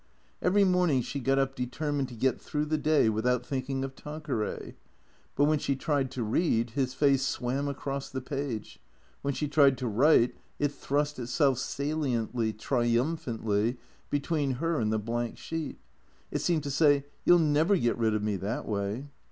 Every morning she got up determined to get through the day without thinking of Tanqueray. But when she tried to read his face swam across the page, when she tried to write it thrust itself saliently, triumphantly, between her and the blank sheet. It seemed to say, " You '11 never get rid of me that way."